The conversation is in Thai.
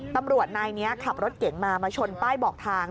ตำรวจนายนี้ขับรถเก๋งมามาชนป้ายบอกทาง